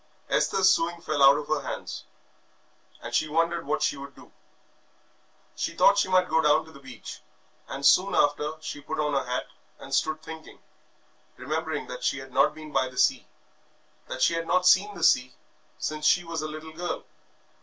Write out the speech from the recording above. Esther's sewing fell out of her hands, and she wondered what she should do. She thought that she might go down to the beach, and soon after she put on her hat and stood thinking, remembering that she had not been by the sea, that she had not seen the sea since she was a little girl.